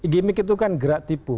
gimmick itu kan gerak tipu